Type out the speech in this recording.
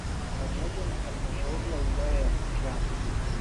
Pamoja na halmashauri ya wilaya ya Butiama